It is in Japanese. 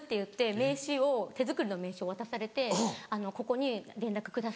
名刺を手作りの名刺を渡されて「ここに連絡ください。